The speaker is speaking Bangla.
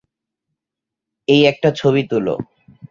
এই একটা ছবি তুলো।